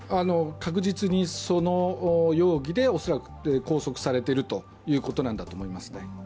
確実にその容疑で拘束されているということなんだと思います。